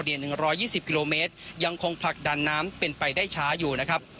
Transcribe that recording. ระยะทางทั้งหมด๑๒๐กิโลเมตรยังคงผลักดันน้ำเป็นไปได้ช้าอยู่นะครับ